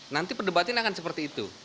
nanti perdebatannya akan seperti itu